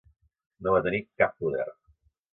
No va tenir cap poder.